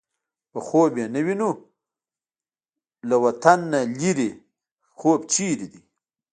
په خوب يې نه وینو وطن نه لرې خوب چېرې دی